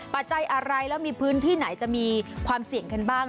ปัจจัยอะไรแล้วมีพื้นที่ไหนจะมีความเสี่ยงกันบ้าง